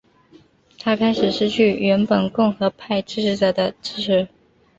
他开始失去原本共和派支持者的支持。